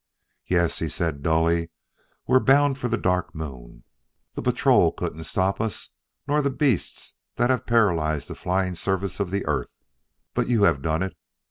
"Yes," he said dully, "we were bound for the Dark Moon. The Patrol couldn't stop us, nor the beasts that have paralyzed the flying service of the earth; but you have done it.